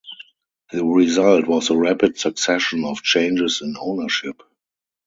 The result was a rapid succession of changes in ownership.